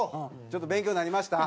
ちょっと勉強になりました？